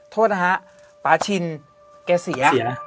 โทษนะฮะป่าชินแกเสีย